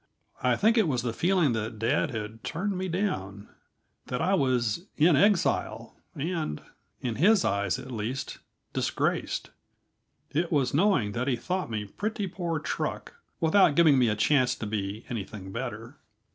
I think it was the feeling that dad had turned me down; that I was in exile, and in his eyes, at least disgraced, it was knowing that he thought me pretty poor truck, without giving me a chance to be anything better.